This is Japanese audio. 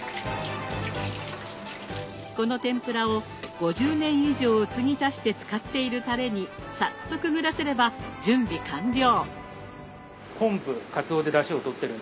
この天ぷらを５０年以上継ぎ足して使っているたれにさっとくぐらせれば準備完了。